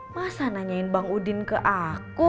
masa nanyain bang udin ke aku